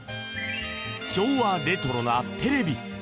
昭和レトロなテレビ。